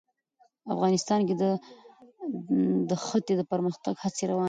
افغانستان کې د ښتې د پرمختګ هڅې روانې دي.